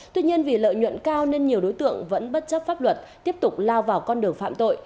tuy nhiên vì lợi nhuận cao nên nhiều đối tượng vẫn bất chấp pháp luật tiếp tục lao vào con đường phạm tội